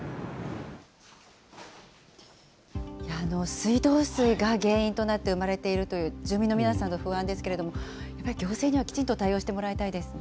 水道水が原因となって生まれているという、住民の皆さんの不安ですけれども、やっぱり行政にはきちんと対応してもらいたいですね。